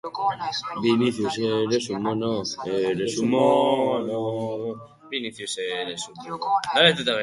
Dantzariak trebeak izan arren, trebeago agertu ziren musikariak.